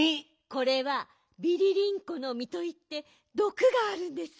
これはビリリンコのみといってどくがあるんです。